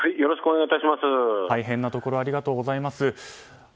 大変なところありがとうございます。